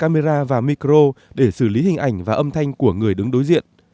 lắp đặt camera và micro để xử lý hình ảnh và âm thanh của người đứng đối diện